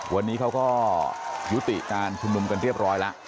วันนี้เขาก็ยุติการชุมนุมกันเรียบร้อยแล้ว